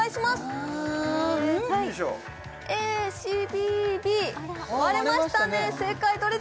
ＡＣＢＢ割れましたね